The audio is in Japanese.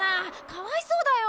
かわいそうだよ。